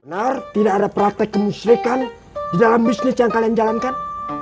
benar tidak ada praktek kemusrikan di dalam bisnis yang kalian jalankan